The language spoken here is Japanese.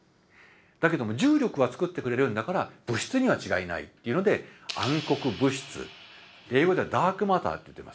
だけども重力はつくってくれるんだから物質には違いないというので暗黒物質英語ではダークマターっていってます。